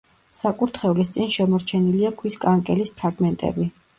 საკურთხევლის წინ შემორჩენილია ქვის კანკელის ფრაგმენტები.